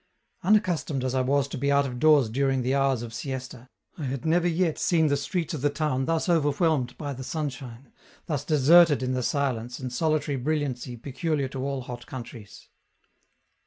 Unaccustomed as I was to be out of doors during the hours of siesta, I had never yet seen the streets of the town thus overwhelmed by the sunshine, thus deserted in the silence and solitary brilliancy peculiar to all hot countries.